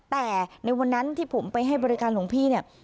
แต่ในวันนั้นที่ผมไปให้บริการหลวงพี่เนี่ย